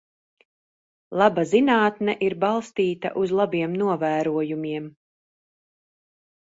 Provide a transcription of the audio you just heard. Laba zinātne ir balstīta uz labiem novērojumiem.